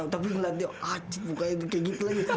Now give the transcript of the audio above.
tapi ngeliat dia cek mukanya kayak gitu lagi